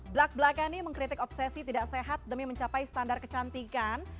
black black annie mengkritik obsesi tidak sehat demi mencapai standar kecantikan